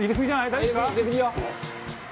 大丈夫ですか？」